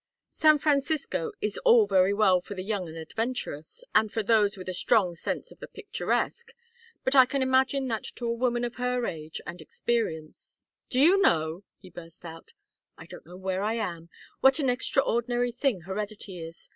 San Francisco is all very well for the young and adventurous, and for those with a strong sense of the picturesque, but I can imagine that to a woman of her age and experience Do you know " he burst out. "I don't know where I am. What an extraordinary thing heredity is!